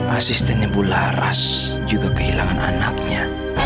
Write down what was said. asistennya bu laras juga kehilangan anaknya